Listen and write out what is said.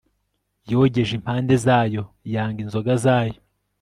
yogeje impande zayo, yanga inzoga zayo